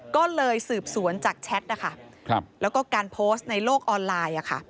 ก็เลยสืบสวนจากแชทนะคะแล้วก็การโพสต์ในโลกออนไลน์